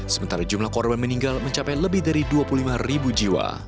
sementara jumlah korban meninggal mencapai lebih dari dua puluh lima ribu jiwa